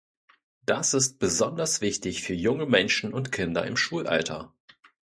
Das ist besonders wichtig für junge Menschen und Kinder im Schulalter.